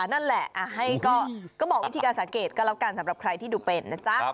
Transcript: นั่นแหละให้ก็บอกวิธีการสังเกตก็แล้วกันสำหรับใครที่ดูเป็นนะจ๊ะ